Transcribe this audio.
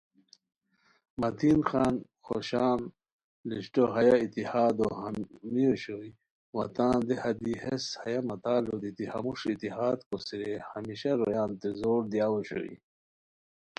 متین خان خوشان لشٹو ہیہ اتحادو حامی اوشوئے وا تان دیہہ دی ہیس ہیہ مثالو دیتی ہموݰ اتحاد کوسی رے ہمیشہ رویانتین زور دیاؤ اوشوئے